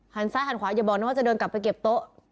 ซ้ายหันขวาอย่าบอกนะว่าจะเดินกลับไปเก็บโต๊ะ